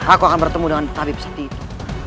aku akan bertemu dengan tabib sakti itu